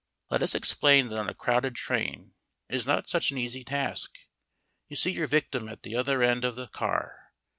Let us explain that on a crowded train it is not such an easy task. You see your victim at the other end of the car.